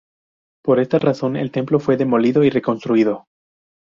Por esta razón el templo fue demolido y reconstruido.